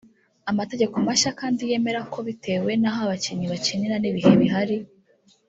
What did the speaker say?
Amategeko mashya kandi yemera ko bitewe n’aho abakinnyi bakinira n’ibihe bihari